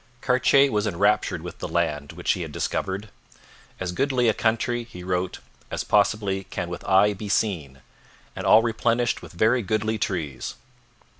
Cartier was enraptured with the land which he had discovered, 'as goodly a country,' he wrote, 'as possibly can with eye be seen, and all replenished with very goodly trees.'